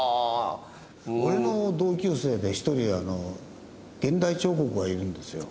俺の同級生で１人現代彫刻がいるんですよ。